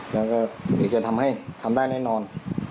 และก็เดี๋ยวจะทำให้ได้ครับทำได้แน่นอน